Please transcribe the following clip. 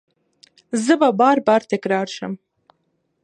زه به بار، بار تکرار شم